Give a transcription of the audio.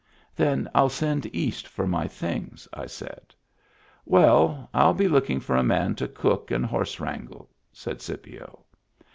" Then I'll send East for my things," I said. " Well, I'll be looking for a man to cook and horse wrangle," said Scipio.